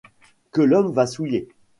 Que l'homme va souiller.